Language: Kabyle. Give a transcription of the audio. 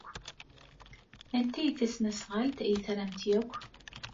Anta ay d tasnasɣalt ay tramt akk?